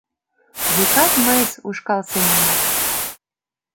Векат мыйс ушкал семынак!